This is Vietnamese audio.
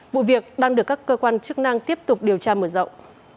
vụ việc đang được các cơ quan chức năng tiếp tục điều tra mở rộng